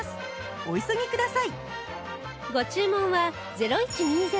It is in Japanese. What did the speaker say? お急ぎください！